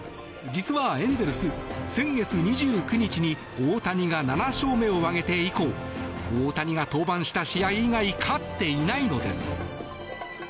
実はエンゼルス先月２９日に大谷が７勝目を挙げて以降大谷が登板した試合以外勝っていないのです。